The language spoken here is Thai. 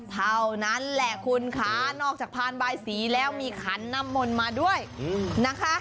เท่านั้นแหละคุณคะนอกจากพานบายสีแล้วมีขันน้ำมนต์มาด้วยนะคะ